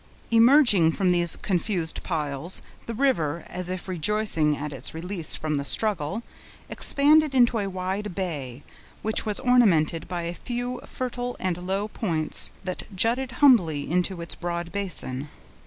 Emerging from these confused piles, the river, as if rejoicing at its release from the struggle, expanded into a wide bay, which was ornamented by a few fertile and low points that jutted humbly into its broad basin.